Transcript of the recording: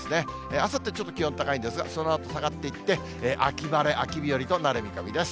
あさって、ちょっと気温高いんですが、そのあと気温下がっていって、秋晴れ、秋日和となる見込みです。